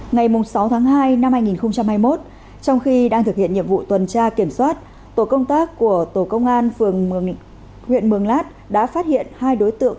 ngày sáu tháng hai năm hai nghìn hai mươi một trong khi đang thực hiện nhiệm vụ tuần tra kiểm soát tổ công tác của tổ công an phường huyện mường lát đã phát hiện hai đối tượng